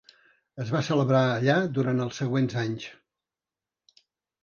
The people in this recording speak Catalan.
Es va celebrar allà durant els següents anys.